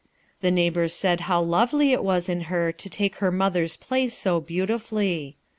The neighbors said how lovely it was in her to take her mother's place so beautifully.